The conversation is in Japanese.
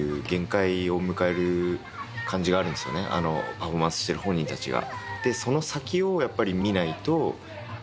パフォーマンスしてる本人たちが。